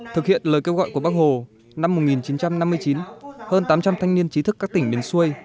thực hiện lời kêu gọi của bác hồ năm một nghìn chín trăm năm mươi chín hơn tám trăm linh thanh niên trí thức các tỉnh miền xuôi